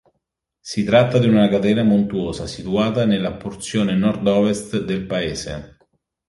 Si tratta di una catena montuosa situata nella porzione nord-ovest del paese.